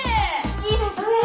いいですね！